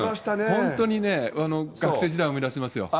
本当に学生時代を思い出しますよ。